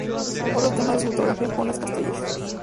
Otro tema de su fotografía fueron los castellers.